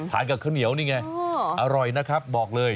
กับข้าวเหนียวนี่ไงอร่อยนะครับบอกเลย